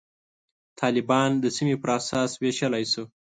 طالبان د سیمې پر اساس ویشلای شو.